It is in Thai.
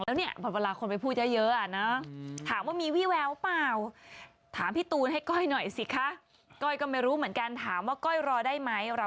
แล้วเนี่ยเวลาคนไปพูดเยอะ